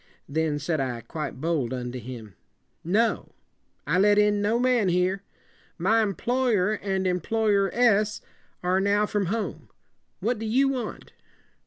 Then said I, quite bold unto him, "No. I let in no man here. My em ploy er and employ er ess are now from home. What do you want?"